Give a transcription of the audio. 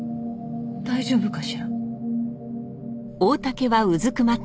大丈夫かしら？